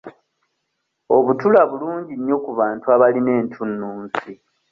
Obutula bulungi nnyo ku bantu abalina entunnunsi.